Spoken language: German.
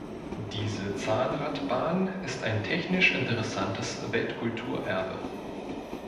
Diese Zahnradbahn ist ein technisch interessantes Weltkulturerbe.